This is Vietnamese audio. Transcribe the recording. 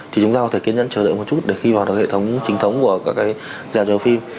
thì chúng ta có thể kiên nhân chờ đợi một chút để khi vào được hệ thống chính thống của các cái gạt chiếu phim